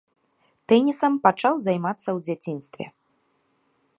Тэнісам пачаў займацца ў дзяцінстве.